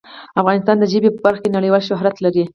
افغانستان د ژبې په برخه کې نړیوال شهرت لري.